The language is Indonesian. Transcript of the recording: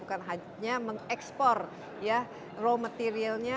bukan hanya mengekspor ya raw materialnya